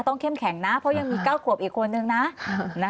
ต้องเช่นแข็งนะเพราะว่ายังมีก้าวขวบอีกคนนึงนะ